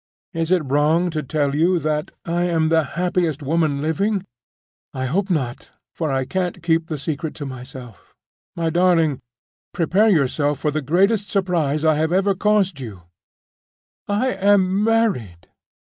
Is it wrong to tell you that I am the happiest woman living? I hope not, for I can't keep the secret to myself. "My darling, prepare yourself for the greatest surprise I have ever caused you. I am married.